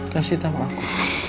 kasih tau aku